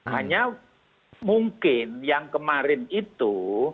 hanya mungkin yang kemarin itu